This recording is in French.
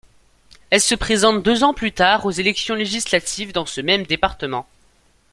Elle se présente deux ans plus tard aux élections législatives dans ce même département.